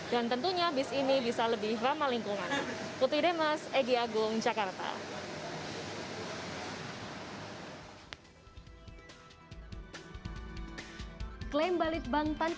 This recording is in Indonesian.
dan tentunya bus ini bisa lebih ramah lingkungan